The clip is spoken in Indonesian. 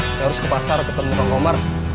saya harus ke pasar ketemu bang omar